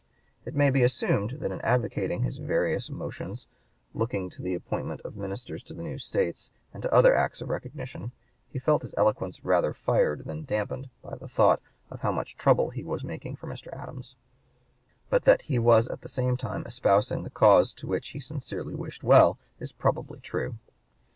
It may be assumed that in advocating his various motions looking to the appointment of ministers to the new states and to other acts of recognition, he felt his eloquence rather fired than dampened by the thought of how much trouble he was making for Mr. Adams; but that he was at the same time espousing the cause to which he sincerely wished well is probably true.